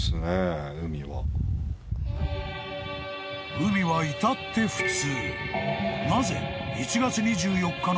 ［海は至って普通］